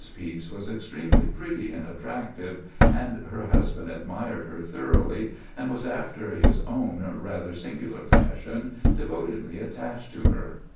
Pepys was extremely pretty and attractive, and her husband admired her thoroughly, and was after his own rather singular fashion, devotedly attached to her.